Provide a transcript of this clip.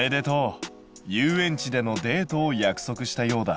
遊園地でのデートを約束したようだ。